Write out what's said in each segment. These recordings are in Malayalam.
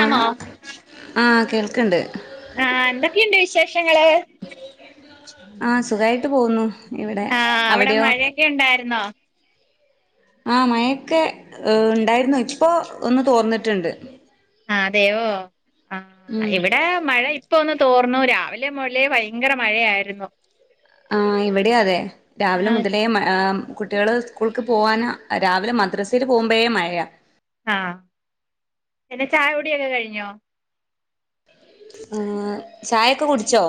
ആ ആണോ ആ കേൾക്കണ്ട് ആ എന്തിക്കെയുണ്ട് വിശേഷ വിഷങ്ങളെ ആ സുഖായിട്ട് പോന്നു ആ അവിടെ മഴയൊക്കെ ഉണ്ടായിരുന്നോ ആ മയൊക്കെ ഉണ്ടായിരുന്നു ഇപ്പോ ഒന്നു തോർന്നിട്ടുണ്ടെ ആ അതെയോ ആ ഉം ഇവിടെ മഴയി- ഇപ്പാ ഒന്ന് തോർന്നുരാ രാവിലെ മൊതലേ ഭയങ്കര മഴയാരുന്നു ആ ഇവിടേ അതെ രാവിലേ ആഹ് മുതലേ മായി ആ കുട്ടികളെ സ്കൂൾക്കെ പോവാനാ രാവിലെ മദ്രീസലെ പോംമ്പയെ മഴയാ ആ പിന്നെ ചായ കുടി ഒക്കെ കഴിഞ്ഞോ ആ ചായൊക്കെ കുടിച്ചോ?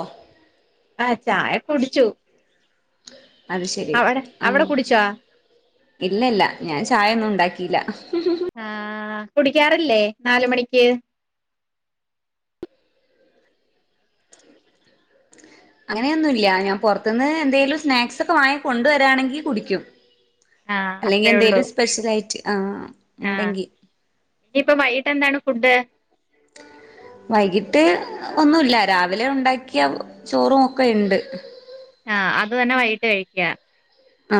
ആ ചായകുടിച്ചു [unintelligible] അവടെ അവടെ കുടിച്ചോ ഇല്ലില്ല ഞാൻ ചായയൊന്നും ഉണ്ടാക്കീല്ല ആആ കുടിക്കാറില്ലേ നാലു മണിക്കേ അങ്ങനെയൊന്നും ഇല്ല ഞാൻ പോറത്തത്തൂന്ന് എന്തെങ്കിലും സ്നാക്സ് ഒക്കെ വാങ്ങി കൊണ്ടെരുവാണെങ്കിൽ കുടിക്കും ആഹ് അല്ലെങ്കി അത്രേ ഉള്ളൂ എന്തെങ്കിലും സ്പെഷ്യൽ ആയിറ്റ് ആ ആഹ് ഉണ്ടെങ്കി ഇനിയിപ്പ വൈകിട്ട് എന്താണ് ഫുഡ് വൈകിട്ട് ഒന്നുമില്ല രാവിലെ ഉണ്ടാക്കിയ ചോറും ഒക്കെയുണ്ട് ആ അത് തന്നെ വൈകിട്ട് കഴിക്കുക ആ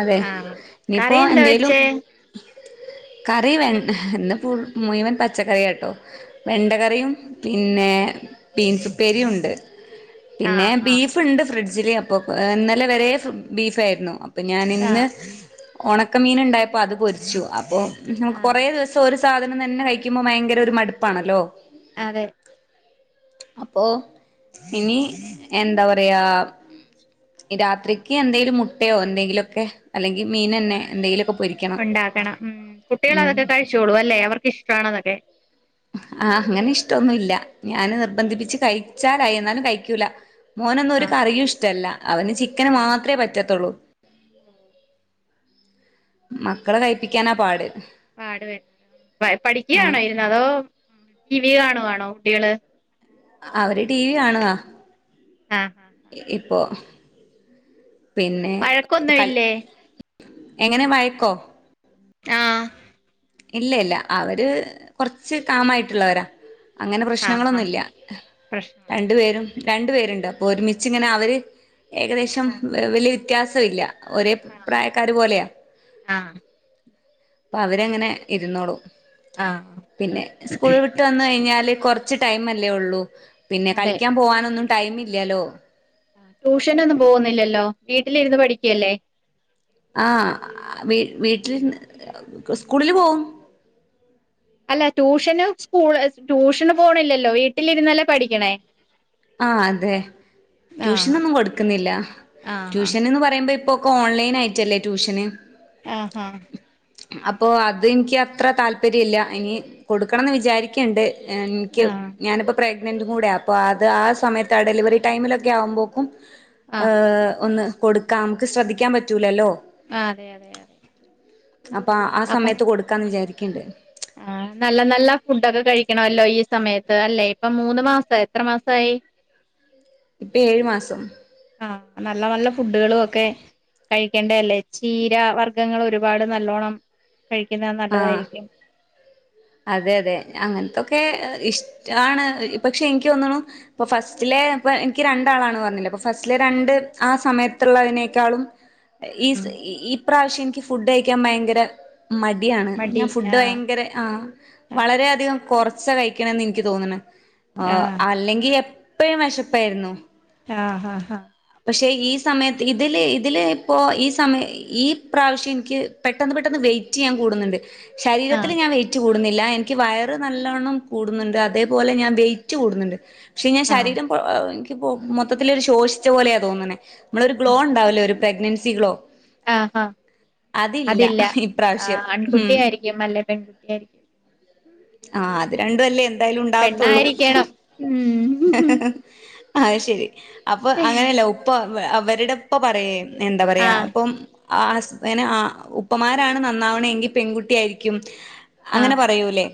അതെ ആഹ് നീ പ്പോ കറി എന്താ എന്തെലും വെച്ചേ കറി വെ മ് ഹ് എന്തപ്പോ മുഴുവൻ പച്ചക്കറികൾ വെണ്ട കറിയു പിന്നെ ബിൻസ് ഉപ്പേരിയും ഉണ്ട് പിന്നെ ആഹ് ആഹ് ബീഫ് ഉണ്ട് ഫ്രിഡ്ജില് ഒഹ് ഇന്നലെ വരെയും സു ബീഫ് ആയിരുന്നു ഞാൻ ഇന്ന് ആഹ് ഉണക്ക മിന് ഉണ്ടായിപ്പോ അത് പെരിച്ചു അപ്പോ ഞാൻ ആഹ് കുറെ ദിവസം ഒ ഒരേ സാധനം തന്നെ കഴിക്കുമ്പോ ഭയങ്കര ഒരു മടുപ്പ് ആണല്ലോ അതെ അപ്പോ ഇനി എന്താ പറയാ രാത്രിക്ക് എന്തേലും മുട്ടയോ എന്തെങ്കിലു ഒക്കെയോ അല്ലെങ്കിൽ മീൻ തന്നെ എന്തെ ഉണ്ടാക്കണം ഉം കുട്ടികൾ അതൊക്കെ കഴിച്ചോളു അല്ലേ അവർക്ക് ഇഷ്ടമാണോ അതൊക്കെ ആ അങ്ങനെ ഇഷ്ട ഒന്നു ഇല്ല ഞാന് നിർബന്ധിപ്പിച്ചു കഴിച്ചാൽ ആയി എന്നാലും കഴിക്കുല്ല മോനൊന്നും ഒരു ആഹ് കറിയും ഇഷ്ടല്ല അവന് ചിക്കൻ മാത്രെ പറ്റത്തൊള്ളൂ ഉം മക്കളെ കഴിപ്പിക്കാന പാട് പാടുപെ പഠിക്കുവാണോ ആഹ് ഇരുന്ന് അതോ ടിവി കാണുവണോ കുട്ടികള്. ആ അവര് ടിവി കാണുക ആഹ് ആഹ് ഈ ആഹ് ഈ ഈപോ പിന്നെ കൽ വഴക്കൊന്നുമില്ലേ എങ്ങനെ വയക്കോ? ആഹ് ഇല്ല ഇല്ല അവര് കുറച്ച് കാമായിട്ടുള്ളവരാ. അങ്ങനെ ആഹ് പ്രശ്നങ്ങള് ആഹ് ഒന്നുമില്ല പ്രശ്നങ്ങളൊന്നും രണ്ടുപേരും ഇല്ലാത്തത് രണ്ടുപേരുണ്ട് ഒരുമിച്ച് ഇങ്ങനെ അവര് ഏകദേശം ആഹ് വ വലിയ വ്യത്യാസം ഇല്ല. ഒരേ ആഹ് പ്രായക്കാര് പോലെയാ ആഹ് പ്പവരെങ്ങനെ ഇരുന്നോളും ആഹ് പിന്നേ ഉസ്‌കൂള് വിട്ട് വന്ന് കഴിഞ്ഞാല് കൊർച് ടൈമല്ലേ ഒള്ളു പിന്നേ അതെ കളിക്കാൻ പോവാനൊന്നും ടൈമില്യാലോ ടൂഷനൊന്നും പോകുന്നില്ലലോ? വീട്ടിലിരുന്ന് പടിക്കല്ലേ. ആഹ് വീട്ട് വീട്ടിലിരുന്ന് ഉസ്‌കൂളില് പോവും. അല്ല ടൂഷനു സ്‌കൂള് ടൂഷന് പോണില്ലല്ലോ വീട്ടിലിരുന്നല്ലേ പടിക്കണേ ആഹ് അതെ ആഹ് ട്യൂഷനൊന്നും കൊടുക്കുന്നില്ല ആഹ് ട്യൂഷന് ന്ന് പറയുമ്പോ ഇപ്പൊ ഓൺലൈൻ ആയിട്ടല്ലേ ട്യൂഷന് അഹ് ഹാ അപ്പൊ അത് എനിക്കത്ര താല്പര്യല്ല ഇനി കൊടുക്കണം ന്ന് വിജാരിക്ക്‌ണ്ട്. എന്ക്കു ആഹ് ഞാനിപ്പ പ്രേഗ് നന്റ്കൂടെ അപ്പൊ ആ ത് ആ സമയത്ത് ആ ഡെലിവറി ടൈമിലൊക്കെ ആവുമ്പോക്കും ആഹ് അതെ ആഹ് തെ തെ ഒന്ന് കൊടുക്കാം മ്ക്ക് ശ്രെദ്ധിക്കാൻ പറ്റൂലല്ലോ. അതെ അതെ അതെ അപ്പാ ആ അപ്പൊ സമയത്ത് കൊടുക്കാന്ന് വിചാരി ക്കിണ്ട്. ആഹ് നല്ല നല്ല ഫുടൊക്കെ കഴിക്കണല്ലോ ഈ സമയത്ത് അല്ലെ ഇപ്പൊ മൂന്ന് മാസാ എത്ര മാസായി ഇപ്പേഴ് മാസം. അഹ് നല്ല നല്ല ഫുഡ്‌കള് ഒക്കെ കഴിക്കേണ്ടെഅല്ലേ ചീര വർഗ്ഗങ്ങൾ ഒരുപാട് നല്ലോണം കഴിക്കണ് ആഹ് നല്ലതായിരിക്കും. അതെ അതെ അങ്ങൻതൊക്കെ ഇഷ്ട്ടാണ് ഇ പക്ഷെ എനിക്ക് തോന്നുണു ഇപ്പ ഫസ്റ്റിലെ ഇപ്പ എനിക്ക് രണ്ടാളാണ് പറഞ്ഞില്ലെ അപ്പ ഫസ്റ്റിലെ രണ്ട് ആ സമയത്ത് ത്ത് ള്ളയിനെക്കാളും ഉം ഇസ് ഈ ഇപ്രാഷ്യം എനിക്ക് ഫുഡ്‌ കഴിക്കാൻ ഭയങ്കര മടിയാണ് മടി ഞാൻ ഫുഡ്‌ ആഹ് വയങ്കര ആഹ് വളരെ അതികം കൊറച്ച കയ്ക്കണേന്ന് എനിക്ക് തോന്ന്ണ്. ഓ ആഹ് അല്ലെങ്കി എപ് പ്പഴും വെഷപ്പെരുന്നു. ആ ഹാ ഹാ ഷെ ഈ സമയത്ത് ഇതില് ഇതില് ഇപ്പൊ ഈസമയ ഈ പ്രാവിശ്യെനിക്ക് പെട്ടന്ന് പെട്ടന്ന് വെയ്റ്റ് ഞാൻ കൂടുന്നുണ്ട്. ഷരീരത്തില് ആഹ് ഞാൻ വെയ് കൂടുന്നില്ല എനിക്ക് വയറ് നല്ലോണം കൂടുന്നണ്ട് അതേപോലെ വെയിറ്റ് കൂടുന്നണ്ട്. ക്ഷെ ഞാൻ ആഹ് ശരീരം [unintelligible] ഇപ്പോവ മൊത്തത്തിലൊരു ശോഷിച്ച പോലെയാ തോന്നണേ. നമ്മള് ഒരു ഗ്ലോ ഒണ്ടാവൂല്ലേ ഒരു പ്രെഗ്നൻസി ഗ്ലോ. ആ ആ അതില്ല ഇപ്രാവശ്യം ആൺ ഉം കുട്ടിയായിരിക്കും അല്ലെ പെൺകുട്ടിയായിരിക്കും. ആ അത് രണ്ടുല്ലെ എന്തായാലും ഉണ്ടാകത്തോള്ളൂ പെണ്ണായിരിക്കണം ങ്ഹ് ഉം ങ്ഹ് ങ്ഹേ ങ്ഹേ ഹേ ആ അയ് ശെരി. അപ്പം അങ്ങനല്ല ഉപ്പ [unintelligible] അവരിടപ്പ പറയെ എന്താ പറയാ ആഹ് ഇപ്പോ [unintelligible] ഉപ്പമാരാണ് നന്നാവാണെങ്കി പെങ്കുട്ടി ആയിരിക്കും. അങ്ങനെ ആഹ് പറയുല്ലേ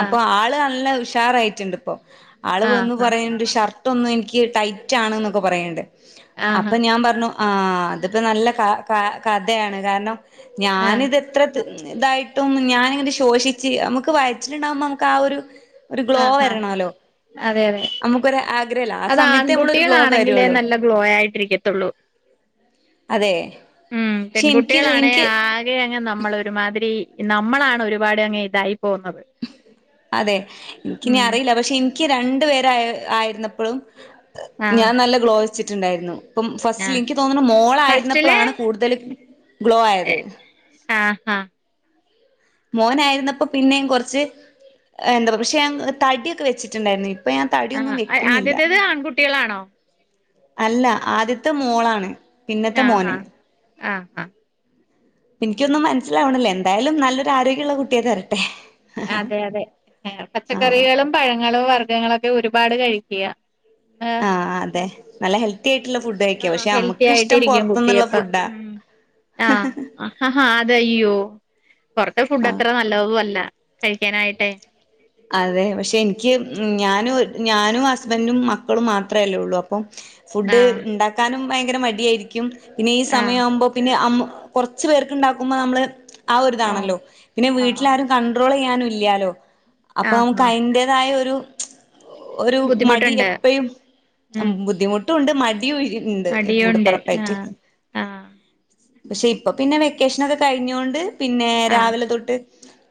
അപ്പ ആള് അല്ല ഉഷ് ഷാറായിട്ടുണ്ട് ഇപ്പൊ. ആള് വന്ന് ആഹ് പറയണ്ട് ഷ ഇതൊന്നു എനിക്ക് ടൈറ്റ് ആണെന്നൊക്കെ പറയണൊണ്ട്. ആഹ് അപ്പ ഞാൻ പറണു ആ അതിപ്പ നല്ല ക ക കഥയാണ് കാരണം ആഹ് ആഹ് ഞാനിതെത്ര ത് [unintelligible] ഇതായിട്ടും ഞാനിത് [unintelligible] ശോഷിച്ചു നമുക്ക് വയറ്റിലുണ്ടാകുമ്പ നമുക്ക് ആ ഒരു ഒരു ഗ്ലോ വരണല്ലോ അതെ അതെ നമുക്കൊരു ആഗ്രഹല്ല ആ അതാൺ സമയത്ത് നമ്മളൊരു ഗ്ലോ കുട്ടികളാണെങ്കിലേ വരുള്ളൂ നല്ല ഗ്ലോയായിട്ട് ഇരിക്കത്തൊള്ളൂ അതെ മം പെൺ പക്ഷെ എനിക്ക് കുട്ടികളാണേ എനിക്ക് ആകെ അങ്ങ് നമ്മൾ ഒരുമാതിരി നമ്മളാണ് ഒരുപാട് അങ്ങ് ഇതായി പോകുന്നത് അതെ എനിക്കിനി ഉം അറിയില്ല പക്ഷെ ഇ നിക്ക് രണ്ടു പേരായി ആയിരുന്നപ്പഴും [unintelligible] [unintelligible] ആഹ് ഞാൻ നല്ല ഗ്ലോ വെ ചിട്ടിണ്ടായിരുന്നു ഉം ഫസ്റ്റില് ആഹ് എനിക്ക് തോന്നണ് മോള് ഫസ്റ്റില് ആയിരുന്നപ്പളാണ് കൂടുതൽ ഗ്ലോ ആയത് ആ മോന് ആയിരുന്നപ്പ പിന്നേം കൊറച്ച് എന്താ പറ പക്ഷെ ഞാൻ തടിയൊക്കെ വച്ചിട്ടുണ്ടായിരുന്നു [unintelligible] ആ ആദ്യത്തേത് ആൺ കുട്ടികളാണോ [inaudible] അല്ല ആദ്യത്തെ മോള് ആണ് പിന്നെത്ത് മോന് ആ ഇന്ക് ഒന്നും മനസിലാവണില്ല എന്തായാലും നല്ല ഒരു ആരോഗ്യള്ള കുട്ട്യേ തരട്ടെ അതെ അതെ പച്ചക്കറികളും പഴങ്ങളും വ വർഗങ്ങളും ഒക്കെ ഒരുപാട് കഴിക്ക ആ അതെ നല്ല ഹെൽത്തി ആയിട്ടുള്ള ഫുഡ് കഴിക്ക ആ പക്ഷെ ഹെൽത്തി നമുക്ക് ആയിട്ട് ഇഷ്ടം ഇരിക്കും കുട്ടി പുറത്തുന്നുള്ള അപ്പൊ ഫുഡാ മ് ആ ഹ ഹ അതെ അയ്യോ പൊറത്തെ ഫുഡ്‌ ആഹ് അത്ര നല്ലതും അല്ല കഴിക്കാനായിട്ട് അതെ പക്ഷെ ഇൻക്ക് മ് ഞാനും ഞാനും ഹസ്ബൻഡുംമക്കളും മാത്രം അല്ലെ ഉള്ളൂ ഫുഡ്‌ ആഹ് ഉണ്ടാകാനും ഭയങ്കര മടി ആയിരിക്കും പിന്നെ ഈ ആഹ് സമയം ആവുമ്പോ പിന്നെ അമ്മ കൊറച്ചു പേർക്ക് ഉണ്ടാകുമ്പോ നമ്മള് ആ ഒരിതാണല്ലോ പിന്നെ വീട്ടില് ആഹ് ആരും കണ്ട് ആരുമില്ലല്ലോ അപ്പൊ ഞമ്മക്ക് ആഹാ അതിന്റെതായ ഒരു [inaudible] ഒരു മടി ബുദ്ധിമുട്ടുണ്ട് എപ്പോയും ഉം ബുദ്ധിമുട്ടും ഉണ്ട് മടി യും ഉണ്ട് മടിയുണ്ട് കൂടെപേറപ്പ് ആയിട്ട് ആഹ് ആഹ് പക്ഷെ ഇപ്പൊ പിന്നെ വെക്കേഷൻ ഒക്കെ കഴിഞ്ഞതോണ്ട് പിന്നെ ആഹ് രാവിലെ തൊട്ട്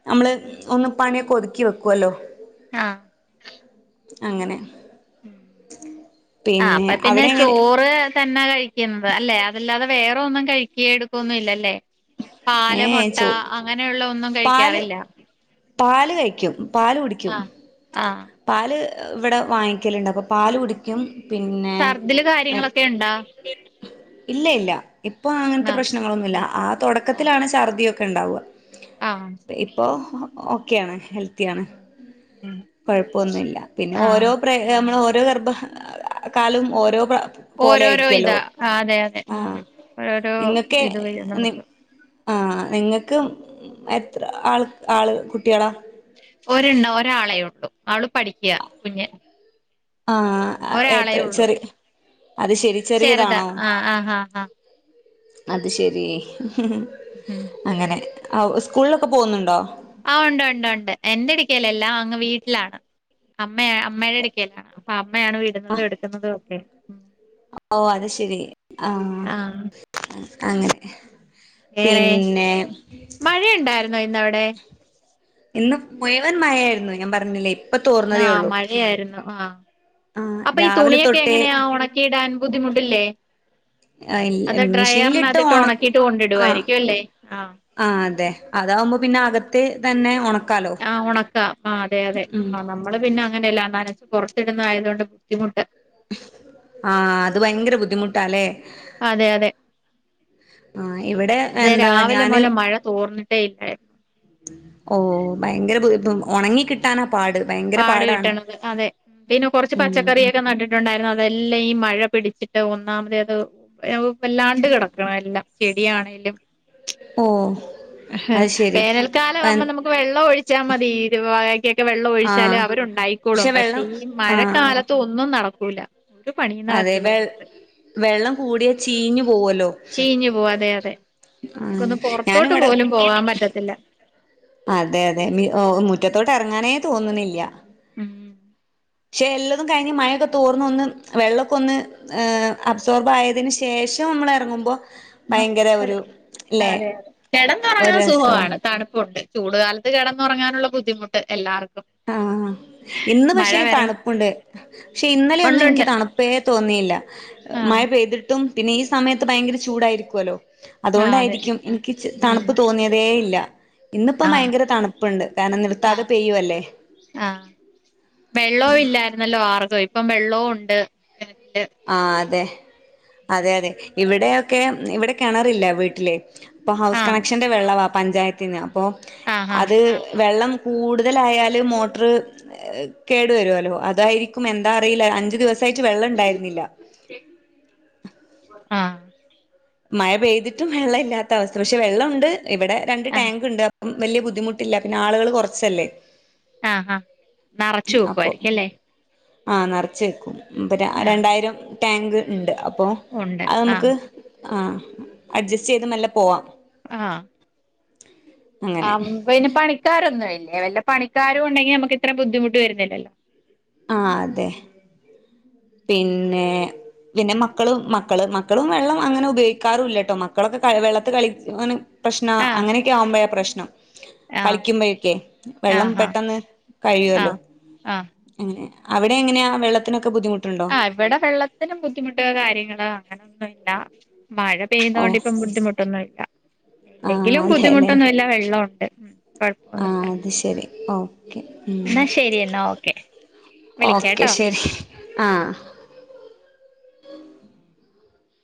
നമ്മള് പണിയൊക്കെ ഒതുക്കി വെക്കും കൊല്ലോ അങ്ങനെ ആ പിന്നെ അപ്പോപ്പിനെ അവിടെ എങ്ങനെ ചോറ് തന്നെ കഴി എന്താ അല്ലെ അതെല്ലാതെ വേറെ ഒന്നും കഴിക്കാൻ എടുക്കഒന്നും ഇല്ല അല്ലെ ഏ പാല് മൊട്ട ചോ അങ്ങനെ ഉള്ള ഒന്നും പാല് കഴിക്കാറില്ല പാല് കഴിക്കും പാല് കുടിക്കും ആഹ് ആഹ് പാല് ഇവിടെ വാങ്ങിക്കല്ണ്ട് അപ്പ പാല് കുടിക്കും പിന്നെ ശർദിൽ കാര്യങ്ങളൊക്കെ ണ്ടാ ഇല്ല ഇല്ല ഇപ്പൊ അങ്ങൻത്തെ ആഹ് പ്രശ്നങ്ങളൊന്നുല്ല ആഹ് പ്രോഡക് [unintelligible] ക്കണ്ടാവും ആഹ് ഇപ്പോ ഓകെയാണ് ഹെൽ തിയാണ് ഉം കൊഴപ്പൊന്നുല്ല പിന്നെ ആഹ് ഓരോ പ്ര ഗർഭ കാലോം ഓരോ പോലെ ഓരോരോ ആയിരിക്കല്ലോ ഇതാ ആഹ് അതെ അതെ ആഹ് ഓരോരോ നിങ്ങക്ക് ഇത് വരും നി നമ്മക് ആഹ് നിങ്ങക്ക് എത്ര ആൾ ആൾ കുട്ട്യേളാ ഒരെണ്ണം ഒരാളെ ഉള്ളു അവൾ പഠിക്ക്യ കുഞ്ഞ് ആഹ് എത്ര ചെറിയെ ചെറ്താ ആഹ് ആഹ് ഹാ ഹാ അത്ശെരീ ഹ് ഹ് ആഹ് അങ്ങനെ ആഹ് ഉസ്‌കൂൾലൊക്കെ പോന്നുണ്ടോ ആഹ് ഒണ്ട് ഒണ്ട് ഒണ്ട് എന്റെട്ക്കേലല്ല അങ്ങ് വീട്ടിലാണ് അമ്മേ അമ്മേടടുക്കേലാണ് അ മ്മയാണ് വിടുന്നതും എടുക്കുന്നതുവൊക്കെ മ്മ് ഓഹ് അത്ശേരി ആഹ് അങ്ങനെ വേറെ പിന്നെ മഴയിണ്ടാർന്നോ ഇന്നവി ടെ ഇന്ന് മുയുവൻ മയേർന്നു ഞാൻ പറഞ്ഞില്ലേ ആ തോർന്നതേ ഉള്ളൂ മഴയാര്ന്നു ആ ആ അപ്പൊ ഈ രാവിലെ തുണിയൊക്കെ തൊട്ടേ എങ്ങനെയാ ഒണക്കിയിടാൻ ബുദ്ധിമുട്ടില്ലേ ആ ഇല്ല അത് മിഷിനിലിട്ട് ഡ്രയറിനകത്തിട്ട് ഒണക്കും ഉണക്കിയിട്ട് ആ കൊണ്ടിടുവായിരിക്കും അല്ലേ ആഹ് ആ അതെ അതാവുമ്പോ പിന്ന അകത്തെ തെന്നെ ഒണ ആ ഒണക്കാം ആ അതെ അതെ നമ്മൾ പിന്നെ അങ്ങനല്ലേ നന ത്തിടുന്നായതോണ്ട് ബുത്തിമുട്ട് ആ അത് ഭയങ്കര ബുദ്ധിമുട്ടാ ലേ അതെ അതെ ആ ഇവിടെ അതെ എന്താ രാവിലെ ഞാന് മുതല് മഴ തോർന്നിട്ടേ ഇല്ലായിരുന്നു ഓ ഭയങ്കര ബുദ്ധിമു ഓണങ്ങി കിട്ടാനാ പാട് ഭയങ്കര പാട് പാടാണ് കിട്ടണത് അതെ പിന്നെ കൊറച്ച് പച്ച ഉം കറിയൊക്കെ നട്ടിട്ടൊണ്ടായിരുന്നത് ഇല്ല ഈ മഴ പിടിച്ചിട്ട് ഒന്നാമതേത് എഉ പ്പെല്ലാണ്ട് കെടക്ക്ണ് എല്ലാം ചെടിയാണേലും ഓ പഷേ അത് ശരി വേനൽകാലാവുമ്പോ നമുക്ക് വെള്ളൊഴിച്ചാ മതി രു വാഴക്കൊക്കെ ആ വെള്ളൊഴിച്ച് റ്റാല് അവരുണ്ടായിക്കോളും പക്ഷെ ഈ ആ മഴക്കാലത്ത് ഒന്നും നട ഉല അതെ വെ വെള്ളം കൂടിയാ ചീഞ്ഞു പോവൊല്ലോ ചീഞ്ഞു പോവും അതെ അതെ ഹ് ആ നമുക്കൊന്ന് ഞാന് പുറത്തോട്ട് ഇവടെ പോലും പോകാൻ പറ്റത്തില്ല അതെ അതെ മിഓ മുറ്റത്തോട്ട് എറങ്ങാ ങ്ങനെ തോന്നിണില്ല ഉം പക്ഷെ എല്ലതും കഴിഞ്ഞ് മഴൊക്കെ തോർന്നൊന്ന് വെള്ളക്കൊന്ന് അബ്സോർബ് ആയതിന് ശേഷം നമ്മള് എറങ്ങുമ്പോൾ ആ അതെ അ അതെ അതെ ഒരു കിടന്നുറങ്ങാൻ രസവാ സുഖവിണ് തണുപ്പുണ്ട് ചൂട്കാലത്ത് കിടന്നുറങ്ങാനുള്ള ബുദ്ധിമുട്ട് എല്ലാർ ആ ഇന്ന് പക്ഷെ തണുപ്പുണ്ട് പക്ഷെ ഇന്നലെ ഒന്നും എനിക്ക് ഉണ്ടുണ്ട് തണുപ്പേ തോന്നിയില്ല മഴ ആഹ് പെയ്തിട്ടും പിന്നെ ഈ സമയത്ത് ഭയങ്കര ചൂടായിരിക്കൊല്ലോ ആഹ് അതെ അതുണ്ടായിരിക്കും എനിക്ക് ഉം തണുപ്പ് തോന്നിയതേ ഇല്ല ഇന്നിപ്പം ആഹ് ഭയങ്കര തണുപ്പുണ്ട് കാരണം നിർത്താതെ പെയ്യൂല്ലേ അ വെള്ളോം ഇല്ലാരുന്നല്ലോ. മാർഗം ഇപ്പം വെള്ളോം ഒണ്ട് ആ അതെ അതെ അതെ ഇവിടെയൊക്കെ ഇവിടെ കെണറില്ല വീട്ടില്. ഇപ്പം ഹൗസ് ആഹ് കണക്ഷ്ന്റെ വെള്ളവാ പഞ്ചായത്തിനോ ഇപ്പോ ആഹ് ആഹ് അത് വെള്ളം കൂടുതലായാല് മോട്ടർ കേടു വരോല്ലോ അതായിരിക്കും എന്താ അറിയില്ല അഞ്ചു ദിവസ- യിട്ട് വെള്ളണ്ടായിര് ഇല്ല ആ മഴ പെയ്തിട്ടും വെള്ള ഇല്ലാത്ത അവസ്ഥ പക്ഷെ വെള്ളം ഉണ്ട് ഇവിടെ രണ്ട് ആഹ് ടാങ്ക് ഇണ്ട് അ വലിയ ബുദ്ധിമുട്ടില്ല പിന്നെ ആളുകള് കുറച്ചല്ലേ ആ ഹാ നറച്ചു വെക്കുവാരിക്കും ല്ലേ. ആ നറച്ച്യ്ക്കും ഉം പറ്റേ രണ്ടായിരം ടാങ്ക് ഇണ്ട് അ പ്പോ ഉണ്ട് അത് ആഹ് മ്ക്ക് ആഹ് അഡ്ജസ്റ്റീത് മെല്ലെ പോവാം ആ അങ്ങനെ ആമ് പിന്നെ പണിക്കാരൊന്നു വല്ല പണിക്കാരും ഉണ്ടങ്കെ നമ്മുക്ക് ഇത്ര ബുദ്ധിമുട്ട് വരുന്നില്ലല്ലോ ആ അതെ പിന്നെ പിന്നെ മക്കള് മക്കള് മക്കളും വെള്ളം അങ്ങനെ ഉപയോഗിക്കാറുല്ലട്ടോ മക്കളൊക്കെ ക വെള്ളത്തികളി ഇങ്ങന് പ്രശ്‌നാ ആഹ് അങ്ങനക്കെ ആവുമ്പഴാ പ്രശ്‌നം ആഹ് കളിക്കുമ്പഴക്കെ വെള്ളം ആഹ് ആഹ് പെട്ടെന്ന് കഴിയോല്ലോ ആഹ് ആഹ് അങ്ങനെ അവിടെങ്ങനാ വെള്ളത്തിനൊക്കെ ബുദ്ധിമുട്ടു ആ ഇവടെ വെള്ളത്തിന് ബുദ്ധിമുട്ടോ കാര്യങ്ങളോ അങ്ങനൊന്നൂല്ല മഴ ഓ പെയ്തോണ്ട് ഇപ്പം ബുദ്ധിമുട്ടൊന്നും ഇല്ല ആഹ് ഇല്ലെങ്കിലും അതെല്ലേ ബുദ്ധിമുട്ടൊന്നും ഇല്ല വെള്ളോണ്ട് ഉം കൊഴപോന്നൂല്ല ആഹ് അത് ശരി ഓക്കെ ഉം എന്ന ശരി എന്ന ഓക്കേ ഓക്കെ വിളിക്കാട്ടോ ശരി ആഹ്